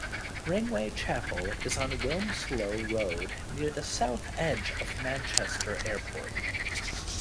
Ringway Chapel is on Wilmslow Road near the south edge of Manchester Airport.